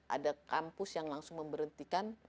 ada kampus yang langsung memberhentikan